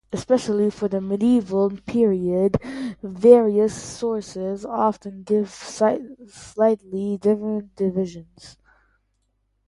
Especially for the medieval period, various sources often give slightly different divisions.